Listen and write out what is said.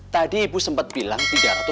tadi ibu sempet bilang tiga ratus empat puluh